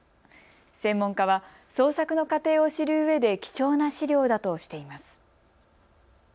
専門家は創作の過程を知るうえで貴重な資料だとしています。